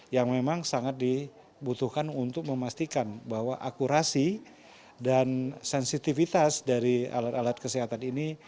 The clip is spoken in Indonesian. yang memang sangat dibutuhkan untuk memastikan bahwa akurasi dan sensitivitas dari alat alat kesehatan ini